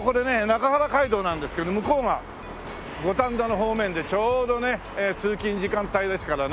中原街道なんですけど向こうが五反田の方面でちょうどね通勤時間帯ですからね